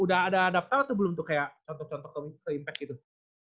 udah ada daftar atau belum tuh kayak contoh contoh impact gitu